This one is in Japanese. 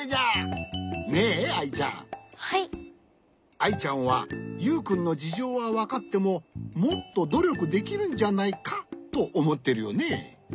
アイちゃんはユウくんのじじょうはわかってももっとどりょくできるんじゃないかとおもってるよね。